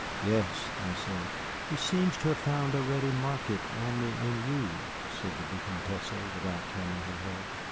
"Yes," I said. "He seems to have found a ready market only in you," said the Vicomtesse, without turning her head.